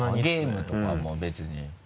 ゲームとかも別に？